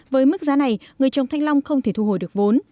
với mức giá này người trồng thanh long không thể thu hồi được vốn